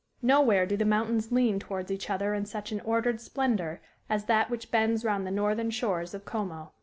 Nowhere do the mountains lean towards each other in such an ordered splendor as that which bends round the northern shores of Como.